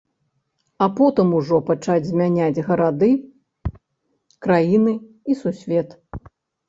А потым ужо пачаць змяняць гарады, краіны і сусвет.